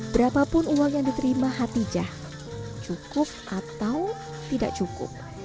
berapapun uang yang diterima hatijah cukup atau tidak cukup